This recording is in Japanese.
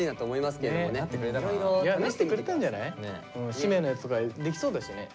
しめのやつができそうだしね。